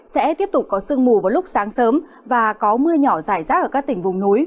sẽ tiếp tục có sương mù vào lúc sáng sớm và có mưa nhỏ dài rác ở các tỉnh vùng núi